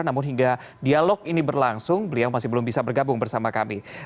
namun hingga dialog ini berlangsung beliau masih belum bisa bergabung bersama kami